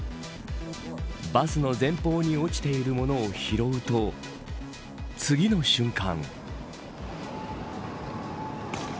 バスの前方に落ちているものを拾うと次の瞬間。